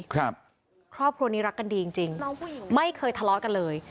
ครอบครัวนี้รักกันดีจริงจริงไม่เคยทะเลาะกันเลย